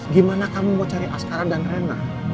gimana kamu mau cari askara dan rena